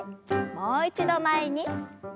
もう一度前に。